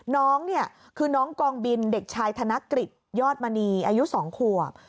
น้องเนี่ยคือน้องกองบินเด็กชายธนกฤษยอดมณีอายุ๒ขวบ